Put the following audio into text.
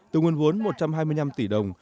từ nguồn vốn một trăm hai mươi năm tỷ đồng